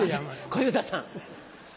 小遊三さん。